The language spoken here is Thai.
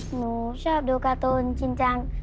หนูชอบดูการ์ตูนจริงจัง